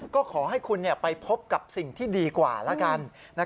ก็ขอให้คุณไปพบกับสิ่งที่ดีกว่าแล้วกัน